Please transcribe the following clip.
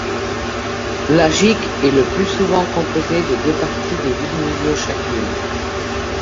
La jig est le plus souvent composée de deux parties de huit mesures chacune.